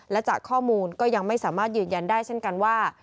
และจากข้อมูลก็ยังไม่สามารถยืนยันได้เช่นกันว่า